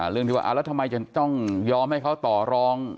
เรื่องที่ว่าแล้วทำไมจะต้องยอมให้เขาต่อรอง